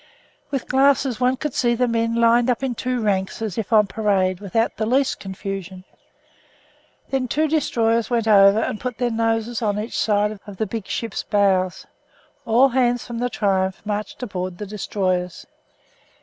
With glasses one could see the men lined up in two ranks as if on parade, without the least confusion. Then two destroyers went over and put their noses on each side of the big ship's bows; all hands from the Triumph marched aboard the destroyers.